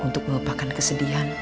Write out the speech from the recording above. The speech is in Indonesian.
untuk melupakan kesedihan